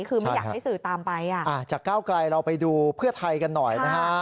คือไม่อยากให้สื่อตามไปอ่ะอ่าจากก้าวไกลเราไปดูเพื่อไทยกันหน่อยนะฮะ